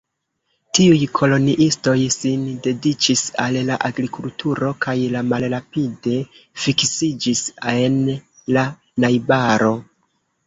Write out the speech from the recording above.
Tiuj koloniistoj sin dediĉis al la agrikulturo kaj malrapide fiksiĝis en la najbaro.